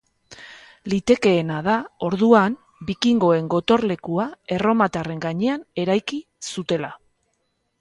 Litekeena da, orduan, bikingoen gotorlekua erromatarren gainean eraiki zutela.